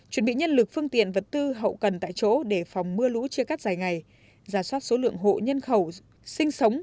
chuẩn bị nhân lực phương tiện vật tư hậu cần tại chỗ để phòng mưa lũ chia cắt dài ngày giả soát số lượng hộ nhân khẩu sinh sống